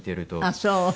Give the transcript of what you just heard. ああそう？